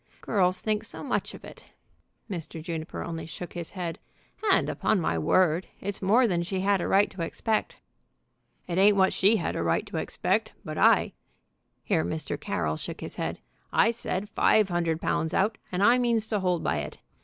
"Girls think so much of it," Mr. Juniper only shook his head, "and, upon my word, it's more than she had a right to expect." "It ain't what she had a right to expect; but I," here Mr. Carroll shook his head, "I said five hundred pounds out, and I means to hold by it.